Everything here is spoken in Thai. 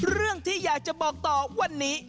เรื่องที่อยากจะบอกต่อวันนี้